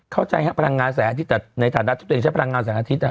เข้าใจครับพลังงานแสงอาทิตย์แต่ในฐานะที่ตัวเองใช้พลังงานแสงอาทิตย์